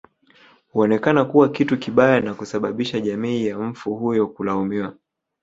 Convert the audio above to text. Huonekana kuwa kitu kibaya na kusababisha jamii ya mfu huyo kulaumiwa